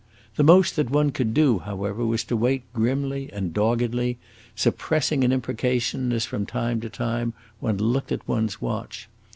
The most that one could do, however, was to wait grimly and doggedly, suppressing an imprecation as, from time to time, one looked at one's watch.